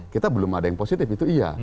kita belum ada yang positif itu iya